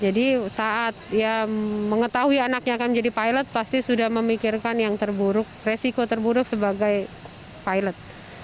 jadi saat mengetahui anaknya akan menjadi pilot pasti sudah memikirkan yang terburuk resiko terburuk sebagai pilot